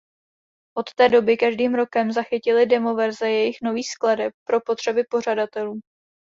Od té doby každým rokem zachytili demo verze jejich nových skladeb pro potřeby pořadatelů.